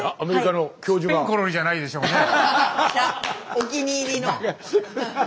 お気に入りの。